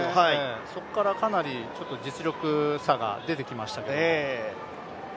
そこからかなり実力差が出てきましたけれども。